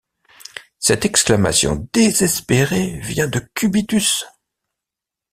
Cette exclamation désespérée vient de Cubitus.